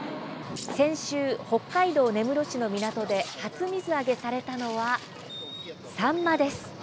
先週、北海道根室市の港で初水揚げされたのはサンマです。